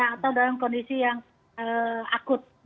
atau dalam kondisi yang akut